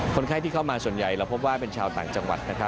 คนไข้ที่เข้ามาส่วนใหญ่เราพบว่าเป็นชาวต่างจังหวัด